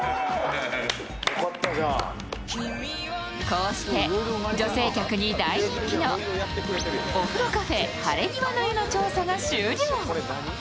こうして女性客に大人気のおふろｃａｆｅハレニワの湯の調査が終了。